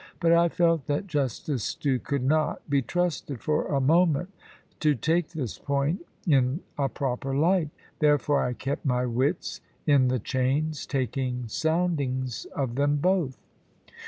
But I felt that Justice Stew could not be trusted for a moment to take this point in a proper light. Therefore I kept my wits in the chains, taking soundings of them both.